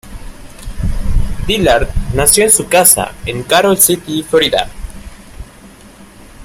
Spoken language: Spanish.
Dillard nació en su casa en Carol City, Florida.